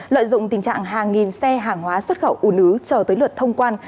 lợi dụng tình trạng hàng nghìn xe hàng hóa xuất khẩu ủ nứ chờ tới lượt thông quan